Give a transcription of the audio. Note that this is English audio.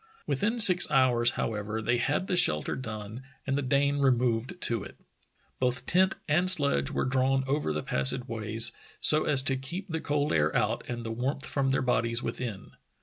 Within six hours, however, they had the shelter done and the Dane removed to it. Both tent and sledge were drawn over the passageways so as to keep the cold air out and the warmth from their bodies within.